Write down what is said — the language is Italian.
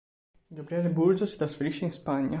Gabriele Burgio si trasferisce in Spagna.